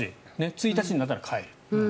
１日になったら替える。